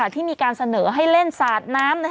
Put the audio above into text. ที่มีการเสนอให้เล่นสาดน้ำ